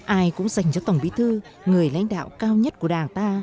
ai cũng dành cho tổng bí thư người lãnh đạo cao nhất của đảng ta